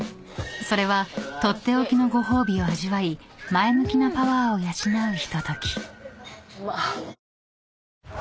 ［それは取って置きのご褒美を味わい前向きなパワーを養うひととき］